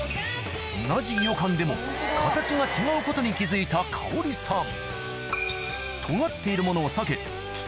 同じいよかんでも形が違うことに気付いた香織さん